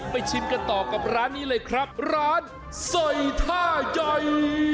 ชิมกันต่อกับร้านนี้เลยครับร้านสอยท่าย่อย